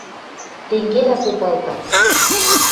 Тенгелӓ попалта.